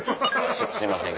すいません。